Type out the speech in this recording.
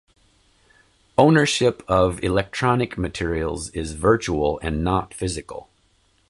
Ownership of electronic materials is virtual and not physical.